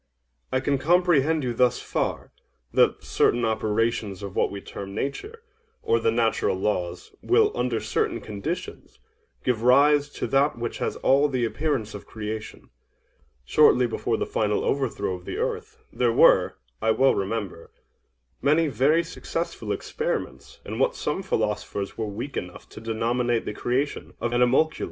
OINOS. I can comprehend you thus far—that certain operations of what we term Nature, or the natural laws, will, under certain conditions, give rise to that which has all the appearance of creation. Shortly before the final overthrow of the earth, there were, I well remember, many very successful experiments in what some philosophers were weak enough to denominate the creation of animalculæ.